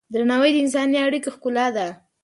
درناوی د انساني اړیکو ښکلا ده.